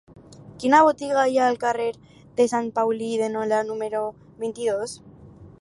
Quina botiga hi ha al carrer de Sant Paulí de Nola número vint-i-dos?